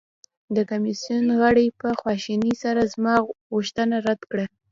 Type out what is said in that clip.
د کمیسیون غړي په خواشینۍ سره زما غوښتنه رد کړه.